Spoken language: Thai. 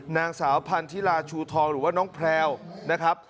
นางสาวพันธิลาชูทองหรือว่าน้องแพลวนะครับ